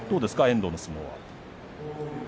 遠藤の相撲は。